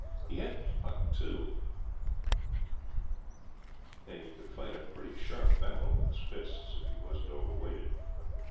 He had pluck enough, and could fight a pretty sharp battle with his fists if he wasn't overweighted.